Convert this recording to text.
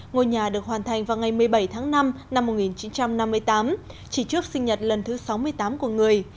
ngôi nhà được hoàn thành vào ngày một mươi bảy tháng năm năm một nghìn chín trăm năm mươi tám chỉ trước sinh nhật lần thứ sáu mươi tám của người